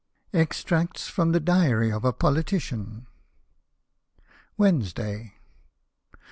EXTRACTS FROM THE DIARY OF A POLITICIAN Wednesday.